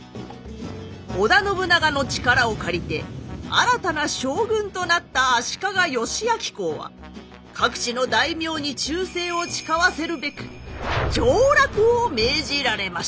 織田信長の力を借りて新たな将軍となった足利義昭公は各地の大名に忠誠を誓わせるべく上洛を命じられました。